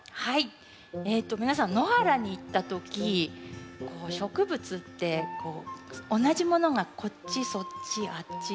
えと皆さん野原に行った時こう植物ってこう同じものがこっちそっちあっち。